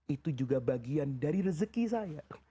itu juga bagian dari rezeki saya